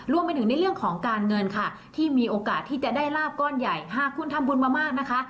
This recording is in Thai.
รวมไปถึงในเรื่องของการเงินค่ะที่มีโอกาสที่จะได้ลาบก้อนใหญ่หากคุณทำบุญมามากนะคะ